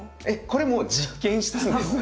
これも実験したんです。